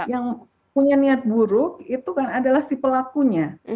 yang punya niat buruk itu kan adalah si pelakunya